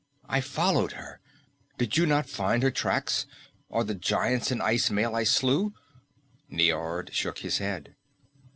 I followed her. Did you not find her tracks. Or the giants in icy mail I slew?" Niord shook his head.